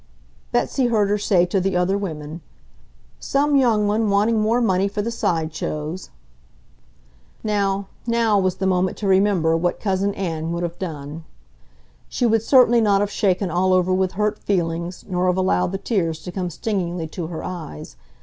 Betsy heard her say to the other women, "Some young one wanting more money for the side shows." Now, now was the moment to remember what Cousin Ann would have done. She would certainly not have shaken all over with hurt feelings nor have allowed the tears to come stingingly to her eyes.